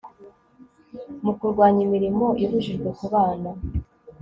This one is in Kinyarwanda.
mu kurwanya imirimo ibujijwe ku bana